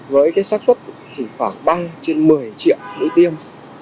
với cái sát xuất chỉ khoảng ba trên một mươi triệu đối tiêm